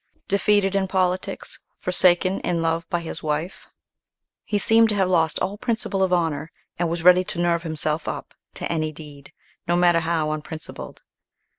Defeated in politics, forsaken in love by his wife, he seemed to have lost all principle of honour, and was ready to nerve himself up to any deed, no matter how unprincipled.